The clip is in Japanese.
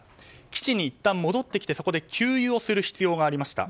基地にいったん戻ってきてそこで給油をする必要がありました。